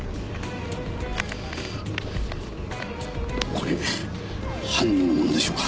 これ犯人のものでしょうか？